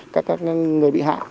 các người bị hạ